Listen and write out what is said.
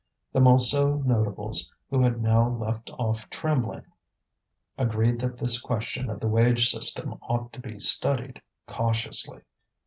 The Montsou notables, who had now left off trembling, agreed that this question of the wage system ought to be studied, cautiously.